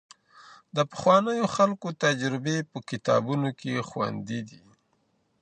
د پخوانيو خلګو تجربې په کتابونو کي خوندي دي.